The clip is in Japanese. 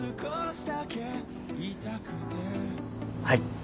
はい。